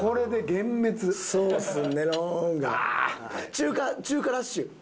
中華中華ラッシュ。